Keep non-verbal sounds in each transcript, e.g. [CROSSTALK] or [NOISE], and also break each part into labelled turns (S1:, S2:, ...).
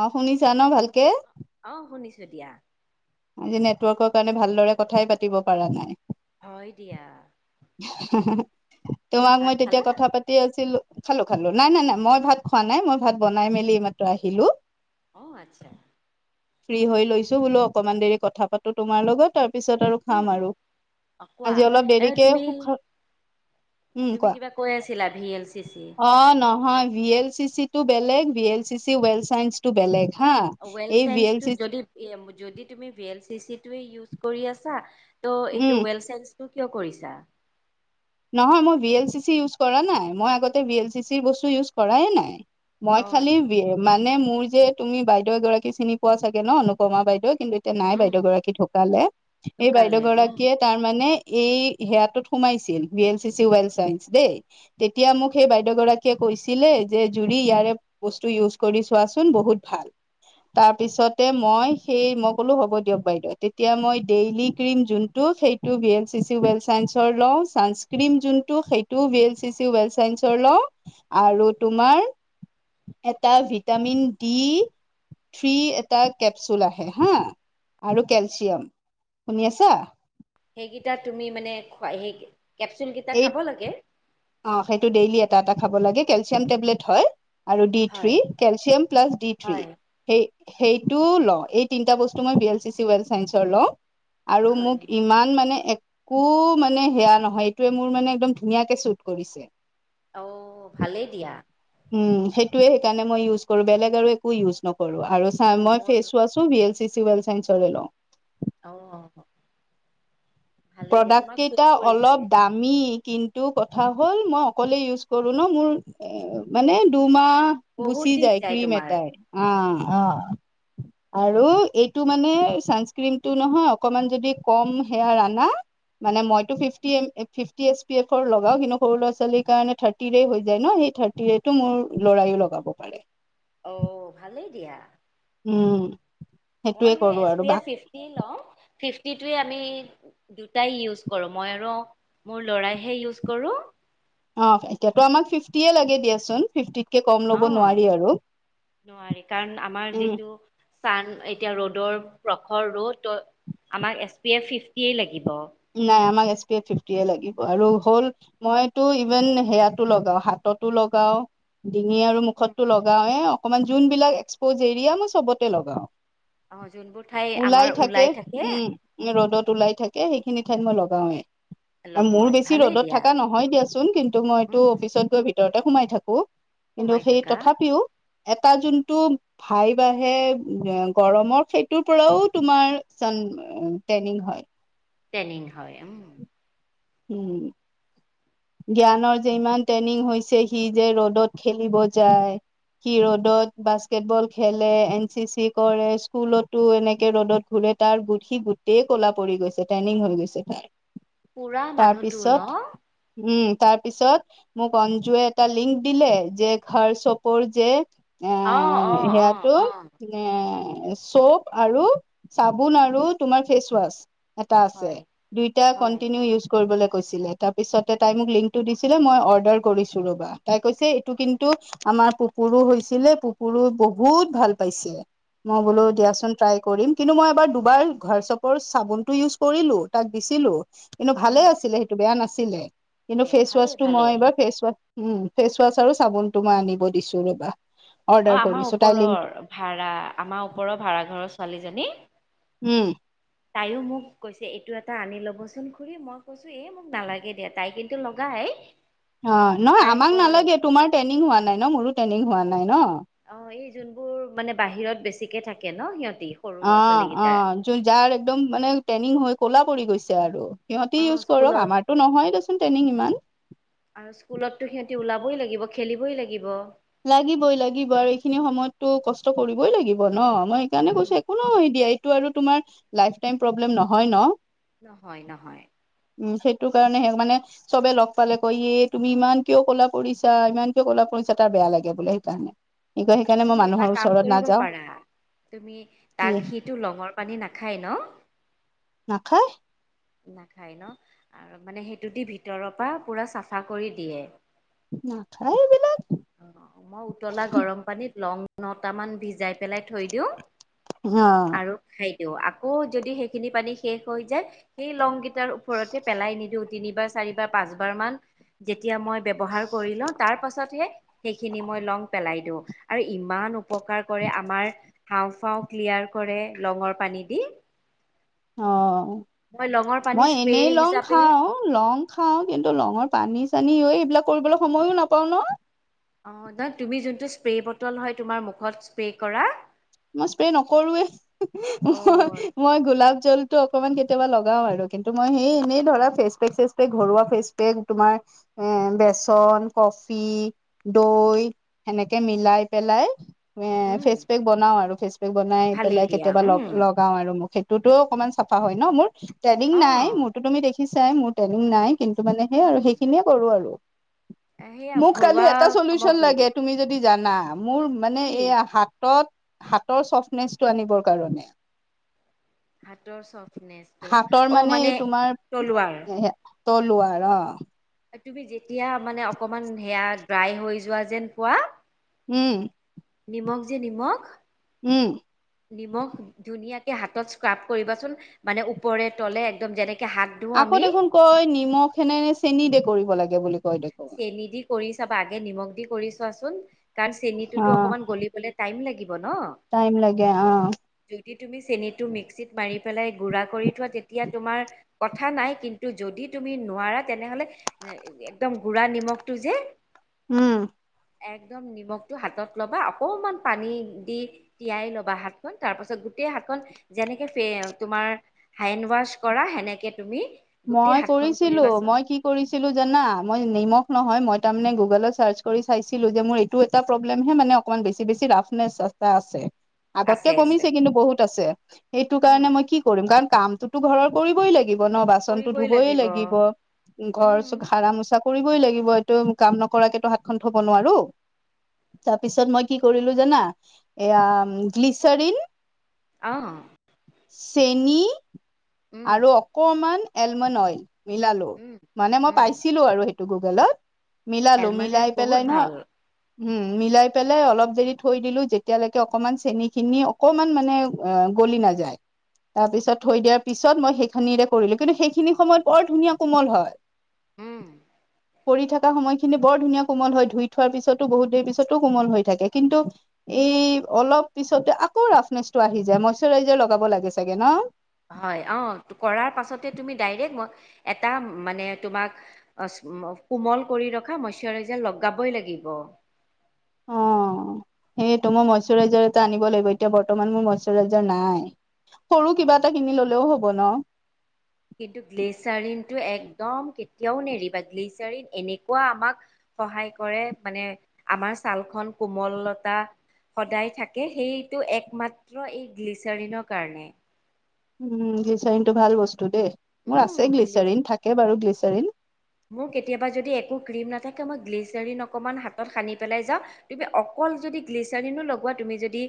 S1: অ' শুনিছা ন ভালকে।
S2: অ' শুনিছোঁ দিয়া।
S1: আজি নেটৱৰ্কৰ কাৰণে ভালদৰে কথাই পাতিব পৰা নাই।
S2: হয় দিয়া
S1: তোমাক
S2: ভাত
S1: মই তেতিয়া
S2: খালা
S1: কথা পাতি [UNINTELLIGIBLE] আছিলো খালো, খালো, নাই নাই নাই মই ভাত খোৱা নাই, মই ভাত বনাই মেলি এই মাত্ৰ আহিলোঁ।
S2: অ' আচ্ছা।
S1: ফ্ৰী হৈ লৈছো বোলো অকনমান দেৰি কথা পাতো তোমাৰ লগত আৰু পিছত আৰু খাম
S2: উম
S1: আৰু
S2: অ কোৱা
S1: আজি অলপ
S2: এ
S1: দেৰিকে
S2: তুমি
S1: সুখ উম
S2: তুমি
S1: কোৱা
S2: কিবা কৈ আছিলা ভি এল চি চি
S1: অ নহয় বিয়েত চি চিটো বেলেগ V L C C well science টো বেলেগ হা। এই ভি এল চি চি
S2: এ যদি তুমি ভি এল চি চি টোৱে ইউজ কৰি আছা ত' এইটো
S1: উম
S2: ৱেল চে তো কিয় কৰিছা?
S1: নহয় মই V L C C use কৰা নাই, মই আগতে ভি এল চি চিৰ বস্তু ইউজ কৰাই নাই। মই
S2: অ
S1: খালি
S2: আচ্ছা
S1: বি মানে মোৰ যে তুমি বাইদেউ এগৰাকী চিনি পোৱা চাগে ন অনুপমা বাইদেউ কিন্তু এতিয়া নাই
S2: উম
S1: বাইদেউ গৰাকী ঢুকালে। এই বাইদেউ
S2: ঢুকালে উম
S1: গৰাকীয়ে তাৰ মানে এই সেয়াটোত সোমাইছিল B L C C well science দেই। তেতিয়া মোক সেই বাইদেউ গৰাকীয়ে কৈছিলে যে জুৰি ইয়াৰে বস্তু ইউজ কৰি চোৱাচোন বহুত ভাল তাৰপিছত মই সেই হ'ব দিয়ক বাইদেউ তেতিয়া মই ডেইলি ক্ৰিম যোনটো টো V L C C well চাইঞ্চৰ ল' ক্ৰীম যোনটো সেইটো V L C C well চাইন্সৰ ল' আৰু তোমাৰ এটা ভিটামিন ডি থ্ৰী এটা কেপচুল আহে হা আৰু কেলচিয়াম শুনি আছা।
S2: সেইকেইটা তুমি মানে খোৱা সেই কেপচুলকেইটা
S1: এই
S2: খাব লাগে।
S1: অ' সেইটো ডেইলি এটা এটা খাব লাগে কেলচিয়াম টেবলেট হয়। আৰু ডি
S2: হয়
S1: three calcium plus D three
S2: হয়
S1: সেই সেইটোও লও এই তিনিটা বস্তু মই B L C C well চাইঞ্চৰ লওঁ আৰু
S2: হয়
S1: মোক ইমান মানে একো মানে সেয়া নহয় সেইটোয়ে মোৰ মানে একদম ধুনীয়াকে শ্বুট কৰিছে
S2: অ ভালেই দিয়া
S1: উম সেইটোৱে সেইকাৰণে মই ইউজ কৰো। বেলেগ আৰু একো ইউজ নকৰো আৰু চা মই ফেচ ওৱাচ চো B L C C well চাইঞ্চৰে লও।
S2: অ ভালেই দিয়া
S1: প্ৰডাক্ত
S2: তোমাক চুট
S1: কেইটা
S2: কৰিছে
S1: অলপ দাম মি কিন্তু কথা হ'ল মই অকলে ইউজ কৰো ন মোৰ এ মানে দুমাহ
S2: বহুত
S1: গুচি
S2: দিন
S1: যায় ক্ৰীম
S2: তোমাৰ
S1: এটাই আ আ আৰু এইটো মানে চানস্কিনটো নহয় অকমান যদি কম সেয়া না মানে মইটো ফিফটি ফিফটি এচ পি এফৰ লগাও কিন্তু সৰু ল'ৰা-ছোৱালীৰ কাৰনে থাৰ থাৰ্টিয়েই হৈ যায় ন সেই থাৰ্টিৰেটো মোৰ ল'ৰায়ো লগাব পাৰে।
S2: অ ভালেই দিয়া।
S1: উম সেইটোয়ে কৰো আৰু বা
S2: লও ফিফটিটোৱে আমি দুটাই ইউজ কৰো মই আৰু মোৰ লৰাইহে ইউজ কৰো।
S1: অ এতিয়াতো আমাক ফিফটিয়ে লাগে দিয়াচোন ফিফটি
S2: অ নোৱাৰি কাৰণ আমাৰ
S1: উম
S2: যিটো চান এতিয়া ৰদৰ প্ৰখৰ ৰ'দ আমাক এছ পি এফ ফিফটিয়েই লাগিব।
S1: অ আমাক এছ পি এফ ফিফটিয়ে লাগিব আৰু হ'ল মইতো ইভেন সেয়াতো লগাও হাততো লগাও ডিঙি আৰু মুখতটো লগাওৱে অকণমান যোনবিলাক এক্সপ'জ এৰিয়া মই চবতে লগাও।
S2: অ' যোনবোৰ ঠাই আমাৰ
S1: ওলাই থাকে উম, ৰ'দত ওলাই থাকে। থাকে সেইখিনি ঠাইত মই লগাওৱে। মোৰ
S2: লগোৱাই
S1: বেছি
S2: ভালেই
S1: ৰ'দত
S2: দিয়া
S1: থকা নহয় দিয়াচোন। কিন্তু মইতো
S2: উম
S1: অফিচত গৈ ভিতৰতে সোমাই থাকো। কিন্তু
S2: সোমাই
S1: সেই
S2: থাকা
S1: তথাপিও এটা যোনটো ফাইভ আহে এ গৰমৰ সেইটোৰ পৰাও তোমাৰ চান টেনিং হয়।
S2: টেনিং হয় উম।
S1: উম জ্ঞানৰ যে ইমান টেনিং হৈছে সি যে ৰ'দত খেলিব যায়। সি ৰ'দত বাস্কেটবল খেলে, এন চি চি কৰে, স্কুলতো এনেকে ৰ'দত ঘূৰে। তাৰ সি গোটেই ক'লা পৰি গৈছে টেনিং হৈ গৈছে তাৰ।
S2: পুৰা মানুহটো ন
S1: তাৰপিছত উম তাৰপিছত মোক অঞ্জুৱে এটা লিংক দিলে যে, ঘৰ চপৰ যে
S2: অ'
S1: এহ
S2: অ' অ'
S1: সেয়াতো
S2: অ'
S1: এ চফ আৰু চাবোন আৰু তোমাৰ ফেচ ৱাছ। এটা আছে
S2: হয়।
S1: দুইটা ক
S2: হয়,
S1: কৈছিলে তাৰ পিছতে তাই মোক লিংকটো দিছিলে মই অৰ্ডাৰ কৰিছো ৰবা। তাই কৈছে এইটো কিন্তু আমাৰ পুপুৰু হৈছিলে পুপুৰু বহুত ভাল পাইছে। মই বোলো
S2: উম,
S1: দিয়াচোন ট্ৰাই কৰিম। কিন্তু মই এবাৰ দুবাৰ ঘৰ চপৰ চাবোনটো ইউজ কৰিলো তাক দিছিলো। কিন্তু ভালে
S2: উম,
S1: আছিলে সেইটো বেয়া নাছিলে। কিন্তু
S2: বেয়া ভালেই
S1: ফেচৱাছটো মই
S2: ভালেই।
S1: এইবাৰ ফেচ ৱাছ উম ফেচ ৱাচ আৰু চাবোনটো মই আনিব দিছো ৰবা।
S2: অ
S1: অৰ্ডাৰ
S2: আমাৰ
S1: কৰিছো তাই
S2: ওপৰৰ
S1: লিংকটো
S2: ভাড়া আমাৰ ওপৰৰ ভাড়া ঘৰৰ ছোৱালীজনী
S1: উম।
S2: তাইও মোক কৈছে এইটো এটা আনি ল'বচোন খুৰী, মই কৈছোঁ এ মোক নালাগে দিয়া তাই কিন্তু লগাই।
S1: অ নহয়
S2: তাই
S1: আমাক
S2: কয়
S1: নালাগে তোমাৰ ট্ৰেইনিং হোৱা নাই ন মোৰো ট্ৰেইনিং হোৱা নাই ন।
S2: অহ এই যোনবোৰ মানে বাহিৰত বেছিকে থাকে ন সিহঁতি। সৰু ল'ৰা
S1: অঁ
S2: ছোৱালী কেইটাৰ
S1: অঁ যোন-যাৰ একদম মানে টেনিং হৈ ক'লা পৰি গৈছে আৰু। সিহঁতি
S2: অ',
S1: ইউজ কৰক
S2: স্কুলত
S1: আমাৰতো নহয় দেচোন টেনিং ইমান।
S2: আৰু স্কুলততো সিহঁতি ওলাবই লাগিব, খেলিবই লাগিব।
S1: লাগিবই লাগিব আৰু এইখিনি সময়ততো কষ্ট কৰিবই লাগিব ন? মই সেইকাৰণে
S2: উম,
S1: কৈছো কোনো সেই দিয়া এইটো আৰু তোমাৰ লাইফ টাইম প্ৰব্লেম নহয় ন।
S2: নহয় নহয়।
S1: উম সেইটো কাৰণেহে মানে চবে লগ পালে কয়, এ তুমি ইমান কিয় ক'লা পৰিছা? ইমান কিয় কলা পৰিছা? টা বেয়া লাগে বোলে সেইকাৰণে। কি কয় সেইকাৰণে মই
S2: তুমি এটা
S1: মানুহৰ
S2: কাম
S1: ওচৰত
S2: কৰিব
S1: নাযাও
S2: পাৰা, তুমি
S1: কি
S2: তাক শি টো লঙৰ পানী নাখায় ন?
S1: নাখায়।
S2: নাখায় ন! আৰু মানে সেইটো দি ভিতৰৰ পৰা পোৰা চাফা কৰি দিয়ে।
S1: নাখায় এইবিলাক
S2: অঁ মই উতলা গৰম পানীত লং নটামান ভিজাই পেলাই থৈ দিওঁ।
S1: অ
S2: আৰু খাই দিও। আকৌ যদি সেইখিনি পানী শেষ হৈ যায় সেই লংকেইটাৰ ওপৰতে পেলাই নিদিও তিনিবাৰ চাৰিবাৰ পাঁচবাৰ মান যেতিয়া মই ব্যৱহাৰ কৰি লওঁ তাৰ পাছতহে সেইখিনি মই লং পেলাই দিওঁ, আৰু ইমান উপকাৰ কৰে আমাৰ হাওঁফাও ক্লিয়াৰ কৰে লঙৰ পানী দি।
S1: অঁ
S2: মই লঙৰ পানী
S1: মই
S2: স্প্ৰে
S1: এনেই লওঁ
S2: হিচাপে
S1: খাওঁ। লং খাও কিন্তু লঙৰ পানী চানী এইবিলাক কৰিবলৈ সময়ো নাপাও ন।
S2: অঁ নহয় তুমি যোনটো স্প্ৰে বটল হয় তোমাৰ মুখত স্প্ৰে কৰা
S1: মই স্প্ৰে নকৰোৱে
S2: অ
S1: মই মই গোলাপ জলটো অকমান কেতিয়াবা লগাও আৰু কিন্তু মই সেই এনেই ধৰা ফেচপেক চেচপেক ঘৰুৱা ফেচ পেক তোমাৰ এ বেচন, কফি, দৈ সেনেকে মিলাই পেলাই এ
S2: উম
S1: ফেচ পেক বনাও আৰু, ফেচ পেক বনাই
S2: ভালেই
S1: পেলাই
S2: দিয়া
S1: কেতিয়াবা লগ
S2: উম
S1: লগ লগাও আৰু মোক সেইটোতো অকমান চাফা হয় ন মোৰ, টেৰ্ণিং
S2: অ
S1: নাই মোৰতো তুমি দেখিছাই মোৰ টেনিং নাই কিন্তু
S2: দেখিছো
S1: মানে সেই আৰু
S2: উম
S1: সেইখিনিয়ে কৰো আৰু।
S2: সেয়া
S1: মোক কালি
S2: ঘৰুৱা
S1: এটা চলিউচন
S2: সামগ্ৰী
S1: লাগে তুমি যদি যদি জানা, মোৰ মানে
S2: কি
S1: এইয়া হাতত হাতৰ চফ্টনেচটো আনিবৰ কাৰণে।
S2: হাতৰ ছফ্টনেচটো
S1: হাতৰ
S2: অ মানে তলুৱাৰ?
S1: তলুৱাৰ অহ।
S2: তুমি যেতিয়া মানে অকমান সেয়া ড্ৰাই হৈ যোৱা যেন পোৱা
S1: উম।
S2: নিমখ যে নিমখ
S1: উম।
S2: নিমখ ধুনীয়াকে হাতত স্ক্ৰাব কৰিবাচোন মানে উপৰে তলে একদম যেনেকে হাত ধুও
S1: আকৌ
S2: আমি
S1: দেখোন কয় নিমখ এনে চেনি দে কৰিব লাগে বুলি। কয় দেখোন
S2: চেনি দি কৰি চাবা। আগে নিমখ দি কৰি চোৱাচোন কাৰণ
S1: অ
S2: চেনিটোতো অকনমান গলিবলে টাইম লাগিব ন।
S1: টাইম লাগে অ।
S2: যদি তুমি চেনিটো মিক্সিত মাৰি পেলাই গুড়া কৰি থোৱা তেতিয়া তোমাৰ কথা নাই কিন্তু যদি তুমি নোৱাৰা তেনেহলে এ একদম গুড়া নিমখটো যে।
S1: উম
S2: একদম নিমখটো হাতত ল'বা অকনমান পানী দি তিয়াই ল'বা শাকখন তাৰ পাছত গোটেই শাকখন যেনেকে ফে তোমাৰ হেণ্ড ৱাছ কৰা। সেনেকে তুমি গোটেই
S1: মই
S2: হাতখন
S1: কৰিছিলো
S2: কৰিবাচোন
S1: মই কি কৰিছিলো জানা মই নিমখ নহয় মই তাৰ মানে গুগলত চাৰ্চ কৰি চাইছিলো যে মোৰ টো এটা প্ৰব্লেম হে মানে অকমান বেছি বেছি ৰাফনেছ এটা আছে
S2: আছে
S1: আগতকে
S2: আছে
S1: কমিছে কিন্তু বহুত আছে সেইটো
S2: উম
S1: কাৰণে মই কি কৰিম কাৰণ কামটোতো ঘৰৰ কৰিবই লাগিব ন বাচনতো ধুবই লাগিব ঘৰ
S2: উম
S1: সাড়া মোচা কৰিবই লাগিব এইটো কাম নকৰাকে তো হাতখন থব নোৱাৰো তাৰ পিছত মই কি কৰিলো জানা এয়া গ্লিচাৰিন
S2: অ
S1: চেনি
S2: উম,
S1: আৰু অকণমান এলমণ্ড অইল মিলালো
S2: উম,
S1: মানে মই
S2: উম,
S1: পাইছিলো আৰু সেইটো গুগলত মিলালো
S2: এলমানেল
S1: মিলাই
S2: বহুত
S1: পেলাই ন
S2: ভাল।
S1: উম মিলাই পেলাই অলপ দেৰি থৈ দিলো যেতিয়ালৈকে অকমান চেনি খিনি অকমান মানে গলি নাযায় তাৰপিছত থৈ দিয়া পিছত মই সেইখিনিৰে কৰিলোঁ কিন্তু সেইখিনি সময়ত বৰ ধুনীয়া কোমল হয়
S2: উম
S1: পৰি থকা সময়খিনি বৰ ধুনীয়া কোমল হয় ধুই থোৱাৰ পিছতো বহুত দেৰি পিছতো কোমল হৈ থাকে কিন্তু এই অলপ পিছতে আকৌ ৰাফনেচটো আহি যায় মইশ্বাৰইজাৰ লগাব লাগে চাগে ন
S2: হয় অ কৰাৰ পাছতে তুমি ডাইৰেক্ট মই এটা মানে তোমাক অচ কোমল কৰি ৰখা মইশ্বাৰাইজাৰ লগাবই লাগিব
S1: অ সেইটো মই মইশ্বৰাইজাৰ এটা আনিব লাগিব এতিয়া বৰ্তমান মোৰ মইশ্বৰাইজাৰ নাই সৰু কিবা এটা কিনি ললেও হ'ব ন
S2: কিন্তু গ্লেচাৰিনটো একদম কেতিয়াও নেৰিবা গ্লেচাৰিন এনেকুৱা আমাক সহায় কৰে মানে আমাৰ চালখন কোমলতা সদায় থাকে সেইটো একমাত্ৰ এই গ্লিচাৰিনৰ কাৰণে
S1: উম গ্লিচাৰিন টো ভাল বস্তু দেই মোৰ
S2: উম,
S1: আছে
S2: গ্লিচ
S1: গ্লিচাৰিন থাকে বাৰু গ্লিচাৰিন
S2: মোৰ কেতিয়াবা যদি একো ক্ৰীম নাথাকে মই গ্লিচাৰিন অকমান হাতত সানি পেলাই যাওঁ তুমি অকল যদি গ্লিচাৰিনো লগোৱা তুমি যদি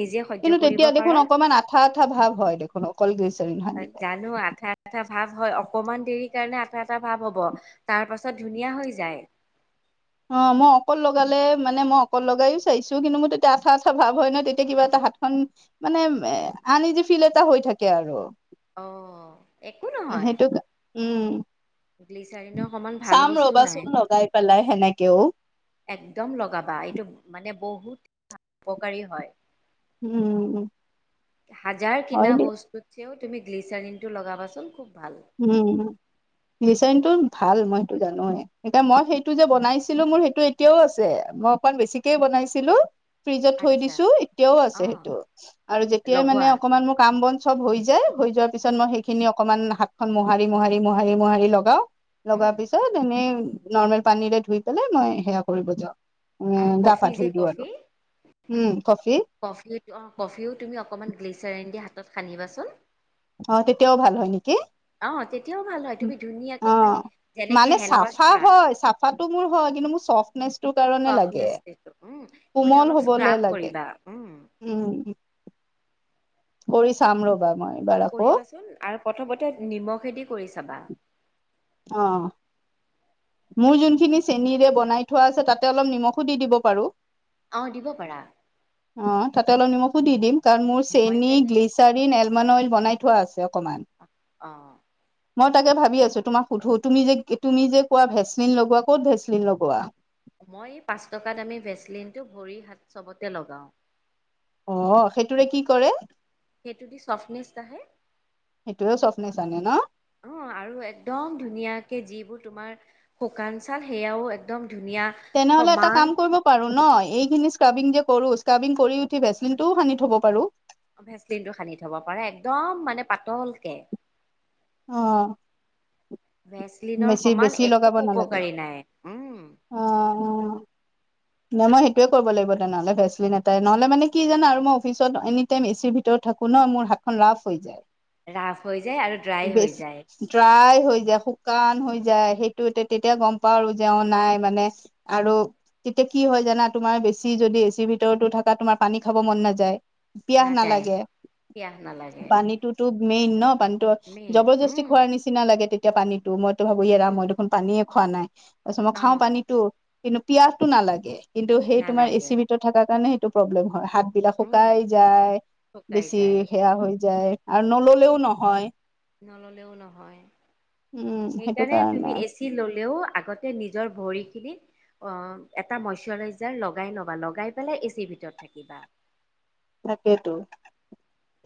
S2: নিজে সহ্য
S1: কিন্তু
S2: কৰিব
S1: তেতিয়া দেখোন
S2: পাৰা
S1: অকমান আঠা আঠা ভাৱ হয় দেখোন অকল গ্লীচাৰীন সানিলে
S2: জানো আঠা আঠা ভাৱ হয় অকমান দেৰি কাৰণে আঠা এটা ভাৱ হ'ব তাৰ পাছত ধুনীয়া হৈ যায়
S1: অ মই অকল লগালে মানে মই অকল লগাইয়ো চাইছো কিন্তু মোৰ তেতিয়া আঠা আঠা ভাৱ হয় ন তেতিয়া কিবা এটা হাতখন মানে আনি দি ফিল এটা হৈ থাকে আৰু
S2: অঁ
S1: সেইটো উম
S2: গ্লিচাৰিনৰ সমান ভাল
S1: চাম
S2: বস্তু
S1: ৰবাচোন
S2: নাই
S1: লগাই পেলাই হে নেকিও।
S2: একদম লগাবা, এইটো মানে বহুত উপকাৰী হয়।
S1: উম
S2: হাজাৰ
S1: হয়
S2: কিনা ব
S1: দিয়া
S2: স্তুও তুমি গ্লিচাৰিনটো লগাবাচোন খুব ভাল।
S1: উম, গ্লিচাৰিনটো ভাল মই সেইটো জানো। এতিয়া মই সেইটো যে বনাইছিলো মোৰ সেইটো এতিয়াও আছে, মই অকমান বেছিকেই বনাইছিলো। ফ্ৰিজত থৈ
S2: আচ্ছা
S1: দিছো, এতিয়াও
S2: অ
S1: আছে সেইটো আৰু যেতিয়াই মানে
S2: লগোৱা
S1: অকমান মোৰ কাম বন চব হৈ যায়, হৈ যোৱাৰ
S2: উম
S1: মই সেইখিনি অকমান হাতখন মোহাৰি মোহাৰি মোহাৰি লগাও।
S2: উম
S1: লগাৰ পিছত এনেই নৰ্মেল পানীৰে ধুই পেলাই মই সেয়া কৰিব যাওঁ।
S2: আৰু
S1: উম, গা পা
S2: কফি যে
S1: ধুই দিওঁ আৰু
S2: কফি
S1: উম কফি।
S2: কফি অঁ কফিও তুমি অকণমান গ্লিচাৰিন দি হাতত সানিবাচোন।
S1: অঁ, তেতিয়াও ভাল হয় নেকি?
S2: অঁ এতিয়াও ভাল হয় তুমি
S1: অ
S2: ধুনীয়াকে খালি যেনেকে
S1: মানে
S2: হেণ্ড ৱাছ
S1: চাফা
S2: কৰা,
S1: হয় চাফাটো মোৰ হয় কিন্তু মোৰ চফ্টনেচটোৰ কাৰণে লাগে
S2: চফটনেচ ক্ষেত্ৰত, উম মানে
S1: কোমল
S2: অলপ
S1: হবলে
S2: স্ক্ৰাব
S1: লাগে
S2: কৰিবা উম।
S1: উম, কৰি চাম ৰবা মই। এইবাৰ আকৌ
S2: কৰিবাচোন আৰু প্ৰথমতে নিমখেদি কৰি চাবা।
S1: অঁ। মোৰ যোনখিনি চেনিৰে বনাই থোৱা আছে, তাতে অলপ নিমখো দি দিব পাৰো।
S2: অঁ, দিব পাৰা।
S1: অঁ তাতে অলপ নিমখো দি দিম। কাৰণ মোৰ
S2: মই
S1: চেনী
S2: তেনে
S1: গ্লিচাৰিন এলমণ্ড অইল বনাই থোৱা আছে অকণমান।
S2: অ
S1: মই তাকে ভাবি আছোঁ, তোমাক সুধো তুমি যে তুমি যে কোৱা ভেচলিন লগোৱা ক'ত ভেচলিন লগোৱা?
S2: মই পাঁচ টকা দামী ভেচলিনটো ভৰি হাত চবতে লগাওঁ।
S1: অঁ সেইটোৰে কি কৰে?
S2: সেইটো দি চফ্টনেচ আহে
S1: সেইটোয়ে চফ নিছানে ন।
S2: অঁ আৰু একদম ধুনীয়াকে যিবোৰ তোমাৰ শুকান চাল, সেয়াও একদম ধুনীয়া
S1: তেনেহলে এটা
S2: সমান
S1: কাম কৰিব পাৰোঁ ন, এইখিনি স্কাবিং যে কৰো স্কাবিং কৰি উঠি ভেচিন টোও সানি থ'ব পাৰো।
S2: ভেচলিনটো সানি থব পাৰে একদম মানে পাতলকে।
S1: অঁ।
S2: ভেচলিনৰ সমান
S1: বেছি
S2: একো উপকাৰী নাই। উম
S1: অঁ। নাই মই সেইটোয়ে কৰিব লাগিব তেনেহ'লে, ভেচলিন এটাই নহ'লে মানে কি জানা আৰু মই অফিচত এনি টাইম এচিৰ ভিতৰত থাকো ন, মোৰ হাতখন লাফ হৈ যায়।
S2: ৰাফ হৈ যায় আৰু ড্ৰাই হৈ
S1: বেছি
S2: যায়।
S1: ড্ৰাই হৈ যায়, শুকান হৈ যায় সেইটো তেতিয়া গম পাৰো আৰু যে নাই মানে আৰু তেতিয়া কি হয় জানা তোমাৰ বেছি যদি এচিৰ ভিতৰতো থকা তোমাৰ পানী খাব মন নাযায়। পিয়াহ
S2: নাযায়
S1: নালাগে,
S2: পিয়াহ নালাগে
S1: পানীটোতো মেইন ন, পানী টো
S2: মেইন
S1: জবৰদস্তি
S2: উম,
S1: খোৱাৰ নি চিনা লাগে তেতিয়া পানীতো মইতো ভাবো এৰা
S2: উম,
S1: মই দেখোন পানীয়ে খোৱা নাই, তাৰপিছত মই
S2: অ
S1: খাওঁ পানীতো। কিন্তু পিয়াহটো নালাগে কিন্তু সেই তোমাৰ
S2: নালাগে
S1: এচিৰ ভিতৰত থকাৰ কাৰণে সেইটো প্ৰব্লেম হয়, হাত জিভা
S2: উম
S1: শুকাই যায়
S2: শুকাই
S1: বেছি
S2: যায়
S1: সেয়া হৈ যায় আৰু নললেও নহয়।
S2: নল'লেও নহয়,
S1: উম সেইটো
S2: সেইকাৰণে
S1: কাৰণে
S2: তুমি এচি ল'লেও আগতে নিজৰ ভৰি খিনিত অ' এটা মইশাৰইজাৰ লগাই ল'বা, লগাই পেলাই এ চিৰ ভিতৰত থাকিবা।
S1: তাকেইটো।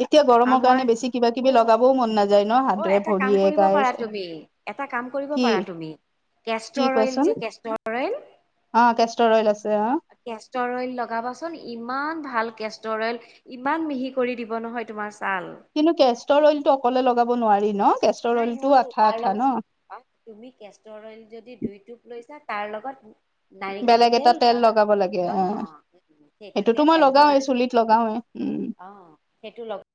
S1: এতিয়া
S2: আৰু
S1: গৰমৰ
S2: মই
S1: কাৰণে বেছি কিবা
S2: অ
S1: কিবি লগাবও মন নাযায় ন
S2: অ
S1: হাতৰে
S2: এটা কাম
S1: ভৰিয়ে
S2: কৰিব
S1: গাই
S2: পাৰা
S1: চাই।
S2: তুমি এটা কাম কৰিব পাৰা তুমি
S1: কি
S2: কেষ্টৰ অইল
S1: কোৱাচোন
S2: যে কেষ্টৰ অইল।
S1: অ' কেষ্টৰ অইল আছে অ'।
S2: কেষ্টৰ অইল লগাবাচোন ইমান ভাল কেষ্টৰ অইল। ইমান মিহি কৰি দিব নহয় তোমাৰ ছাল।
S1: কিন্তু কেষ্টৰ অইলটো অকলে লগাব নোৱাৰি ন, কেষ্টৰ
S2: নাই
S1: অইল টো
S2: নোৱাৰো
S1: আঠা
S2: তাৰ
S1: আঠা
S2: লগত
S1: ন।
S2: তুমি কেষ্টৰ অইল যদি দুই টুপ লৈছা তাৰ লগত নাৰিকল
S1: বেলেগ এটা
S2: তেল বা
S1: লগাব লাগে
S2: অ' সেইটো
S1: সেইটোতো
S2: তেল
S1: মই লগাওৱে
S2: এলমণ্ডঅইল
S1: চুলিত লগাওৱে উম
S2: অ' সেইটো লগ